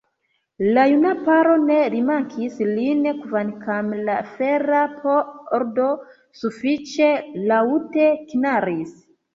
La juna paro ne rimarkis lin, kvankam la fera pordo sufiĉe laŭte knaris.